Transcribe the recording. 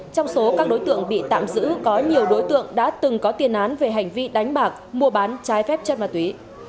trong số các đối tượng bị tạm giữ có nhiều đối tượng đã từng có tiền án về hành vi đánh bạc mua bán trái phép chất ma túy